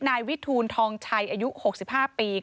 นายวิทูลทองชัยอายุ๖๕ปี